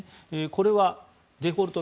これはデフォルト